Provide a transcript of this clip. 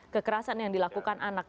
kekerasan yang dilakukan anak